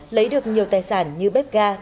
lấy được nhiều tài sản như bếp ga